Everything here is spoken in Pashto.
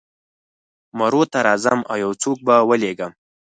مرو ته راځم او یو څوک به ولېږم.